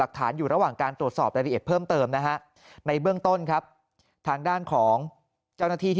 อยู่ระหว่างการตรวจสอบรายละเอียดเพิ่มเติมนะฮะในเบื้องต้นครับทางด้านของเจ้าหน้าที่ที่